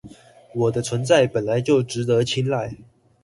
我的存在本來就值得青睞